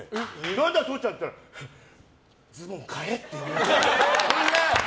何だ父ちゃんって言ったらズボン買え！って。